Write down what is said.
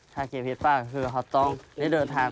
ถ้าเกี่ยวเฮ็ดป้าก็คือเขาต้องได้เดินทาง